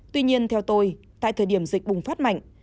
tuy nhiên theo tôi tại thời điểm dịch bùng phát mạnh